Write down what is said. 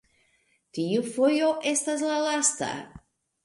tiu fojo estas la lasta!